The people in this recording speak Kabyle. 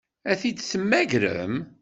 Ad t-id-temmagrem?